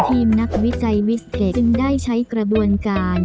ทีมนักวิจัยวิสเก็ตจึงได้ใช้กระบวนการ